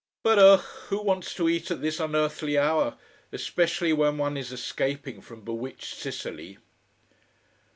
But ugh, who wants to eat at this unearthly hour, especially when one is escaping from bewitched Sicily.